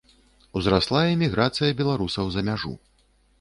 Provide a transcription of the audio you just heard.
Узрасла эміграцыя беларусаў за мяжу.